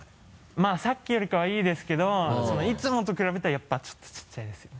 まぁさっきよりかはいいですけどいつもと比べたらやっぱちょっとちっちゃいですよね。